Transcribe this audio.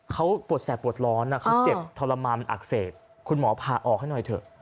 เขาปวดแสบปวดร้อนเขาเจ็บทรมานมันอักเสบคุณหมอพาออกให้หน่อยเถอะ